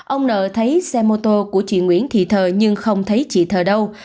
ông nợ thấy xe mô tô của chị nguyễn thị thờ nhưng không thấy chị thờ đâu